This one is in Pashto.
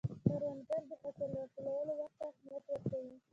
کروندګر د حاصل راټولولو وخت ته اهمیت ورکوي